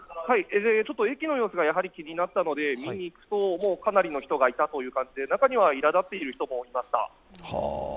駅の様子が気になったので見に行くと、かなりの人がいたという感じで、中にはいらだっている人もいました。